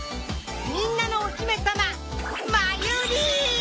みんなのお姫さま真由里！